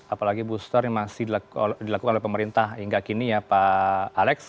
apalagi booster yang masih dilakukan oleh pemerintah hingga kini ya pak alex